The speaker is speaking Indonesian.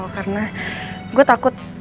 karena gue takut